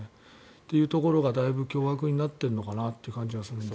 というところがとても凶悪になっているのかなという感じが。